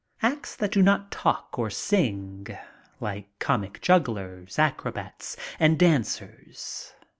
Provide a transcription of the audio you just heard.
Acts that do not talk or sing, like comic jugglers, acrobats, and dancers.